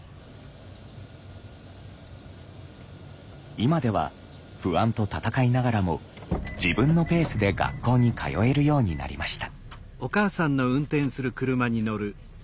今では不安と闘いながらも自分のペースで学校に通えるようになりました。